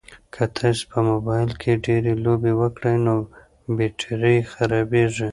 که تاسي په موبایل کې ډېرې لوبې وکړئ نو بېټرۍ یې خرابیږي.